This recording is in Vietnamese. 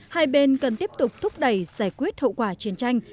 hai bên cần tiếp tục thúc đẩy giải quyết hậu quả chiến tranh